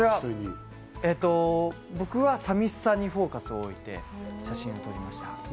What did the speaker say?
僕はさびしさにフォーカスを置いて写真を撮りました。